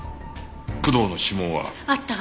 工藤の指紋は？あったわ。